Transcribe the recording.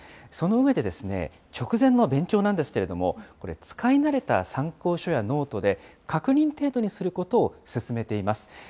その上で、直前の勉強なんですけれども、これ、使い慣れた参考書やノートで、確認程度にすることを勧めています。